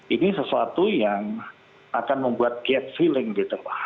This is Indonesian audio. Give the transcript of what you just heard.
ini sesuatu yang akan membuat get feeling di tengah